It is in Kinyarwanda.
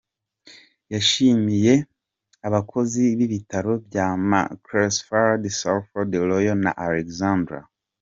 Yashimiye abakozi b'ibitaro bya Macclesfield, Salford Royal na Alexandra.